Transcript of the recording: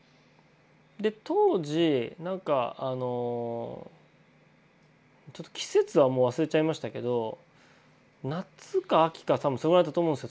で当時なんか季節はもう忘れちゃいましたけど夏か秋か多分それぐらいだったと思うんですよ。